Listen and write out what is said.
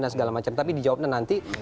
dan segala macam tapi dijawabnya nanti